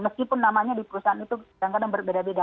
meskipun namanya di perusahaan itu kadang kadang berbeda beda